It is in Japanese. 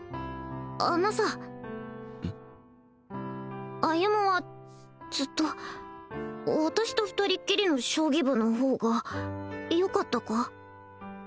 あのさ歩はずっと私と二人きりの将棋部の方がよかったか？